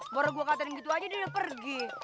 baru gue katakan gitu aja dia udah pergi